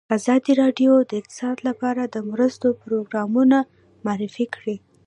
ازادي راډیو د اقتصاد لپاره د مرستو پروګرامونه معرفي کړي.